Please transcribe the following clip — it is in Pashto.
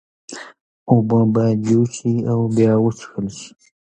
اوبه باید جوش شي او بیا وڅښل شي۔